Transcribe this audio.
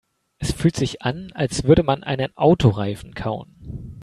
Es fühlt sich an, als würde man einen Autoreifen kauen.